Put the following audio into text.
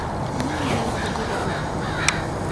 ona li jan pi wile unpa ala.